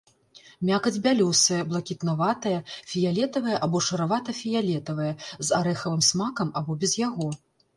Мякаць бялёсая, блакітнаватая, фіялетавая або шаравата-фіялетавая, з арэхавым смакам або без яго.